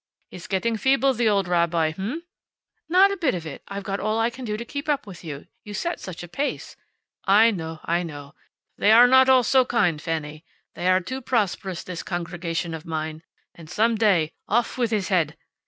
"He's getting feeble, the old rabbi, h'm?" "Not a bit of it. I've got all I can do to keep up with you. You set such a pace." "I know. I know. They are not all so kind, Fanny. They are too prosperous, this congregation of mine. And some day, `Off with his head!'